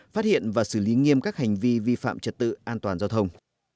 phát hiện và xử lý nghiêm các hành vi vi phạm trật tự an toàn giao thông